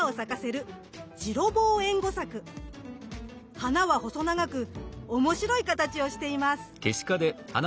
花は細長くおもしろい形をしています。